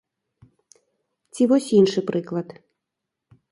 Ці вось іншы прыклад.